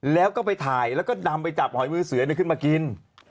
แล้วก็ไปถ่ายแล้วก็ดำไปจับหอยมือเสือขึ้นมากิน